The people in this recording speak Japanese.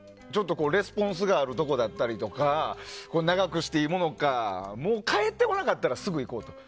レスポンスがあるところだったりとか長くしていいものか帰ってたらすぐに行こうとか。